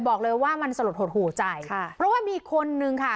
บอกเลยว่ามันสลดหดหูใจค่ะเพราะว่ามีคนนึงค่ะ